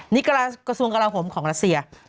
นี่กระทรกระทรวงกระเราหมของรัสเซีย